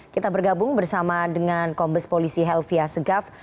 kita bergabung bersama dengan kombes polisi helvia segaf